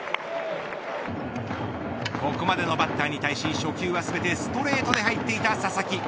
ここまでのバッターに対し初球は全てストレートで入っていた佐々木。